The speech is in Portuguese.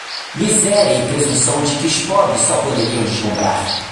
Miséria e presunção de que os pobres só podiam deslumbrar!